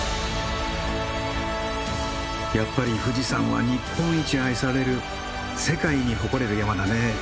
やっぱり富士山は日本一愛される世界に誇れる山だね。